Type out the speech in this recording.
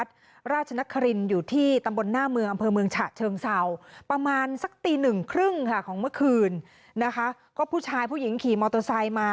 สักตีหนึ่งครึ่งค่ะของเมื่อคืนนะคะก็ผู้ชายผู้หญิงขี่มอเตอร์ไซค์มา